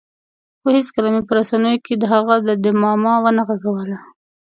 خو هېڅکله مې په رسنیو کې د هغه ډمامه ونه غږوله.